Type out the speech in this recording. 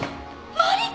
マリコ！